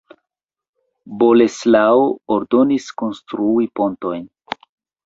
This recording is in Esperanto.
Boleslao ordonis konstrui pontojn.